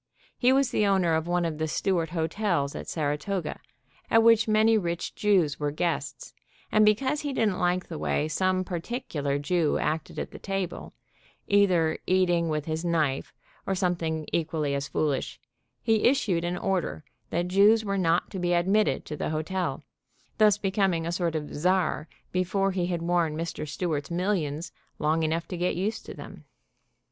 He was the owner of one of the Stew art hotels at Saratoga, at which many rich Jews were guests, and because he didn't like the way some par ticular Jew acted at the table, either eating with his knife, or something equally as foolish, he issued an order that Jews were not to be admitted to the hotel, thus becoming a sort of Czar before he had worn Mr. Stewart's millions long enough to get used to them.